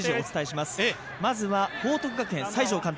まずは、報徳学園西條監督。